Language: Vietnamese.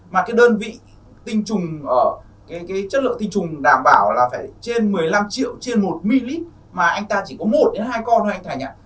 mà cái đơn vị tinh trùng cái chất lượng tinh trùng đảm bảo là phải trên một mươi năm triệu trên một ml mà anh ta chỉ có một đến hai con thôi anh thanh ạ